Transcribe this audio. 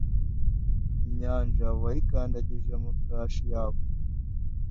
Inyanja wayikandagije amafarashi yawe